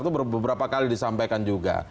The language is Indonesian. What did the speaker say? itu beberapa kali disampaikan juga